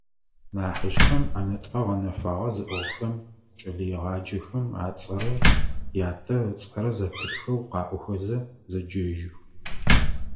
Нахьыжъхэм, ӏэнэтӏэ гъэнэфагъэ зыӏыгъхэм, кӏэлэегъаджэхэм ацӏэрэ ятэ ыцӏэрэ зэпытхэу къаӏохэзэ зэджэжьых.